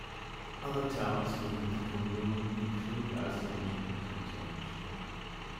Other towns within the commune include Ersange and Trintange.